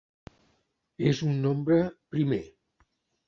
És un nombre primer.